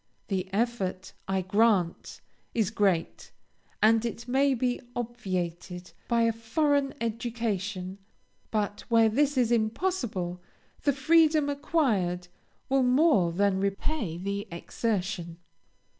The effort, I grant, is great, and it may be obviated by a foreign education; but where this is impossible, the freedom acquired will more than repay the exertion.